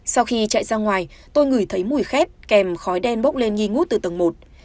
sau khi chạy ra ngoài tôi ngửi thấy mùi khét kèm khói đen bốc lên nghi ngút từ tầng một